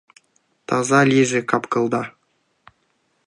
Таза лийже кап-кылда